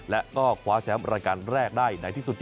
และก็คว้าแชมป์รายการแรกได้ในที่สุด